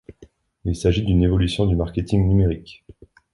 Il s’agit d'une évolution du marketing numérique.